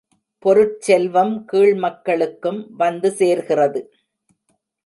பொருட்செல்வம் கீழ் மக்களுக்கும் வந்து சேர்கிறது.